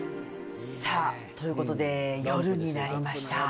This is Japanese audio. さあ、ということで、夜になりました。